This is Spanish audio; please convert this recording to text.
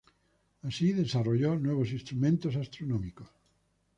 Así desarrolló nuevos instrumentos astronómicos.